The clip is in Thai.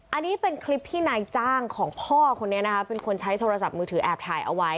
อันนี้เป็นคลิปที่นายจ้างของพ่อคนนี้นะคะเป็นคนใช้โทรศัพท์มือถือแอบถ่ายเอาไว้